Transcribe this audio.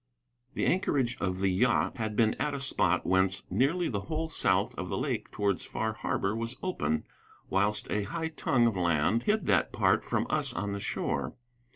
The anchorage of the yacht had been at a spot whence nearly the whole south of the lake towards Far Harbor was open, whilst a high tongue of land hid that part from us on the shore.